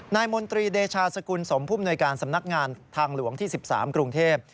มนตรีเดชาสกุลสมผู้มนวยการสำนักงานทางหลวงที่๑๓กรุงเทพฯ